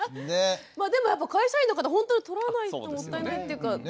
まあでも会社員の方ほんとにとらないともったいないっていうか。